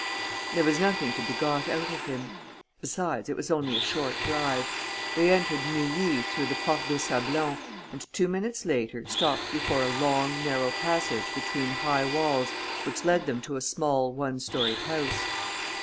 There was nothing to be got out of him. Besides, it was only a short drive. They entered Neuilly through the Porte des Sablons and, two minutes later, stopped before a long, narrow passage between high walls which led them to a small, one storeyed house.